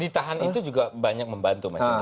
ditahan itu juga banyak membantu mas indra